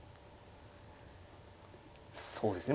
そうですね。